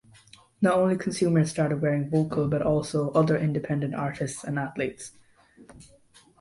Not only consumers started wearing Vokal but also other independent artists and athletes.